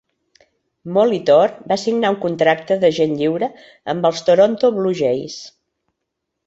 Molitor va signar un contracte d'agent lliure amb els Toronto Blue Jays.